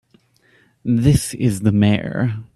This is the Mayor.